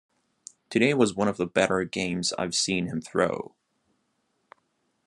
Today was one of the better games I've seen him throw.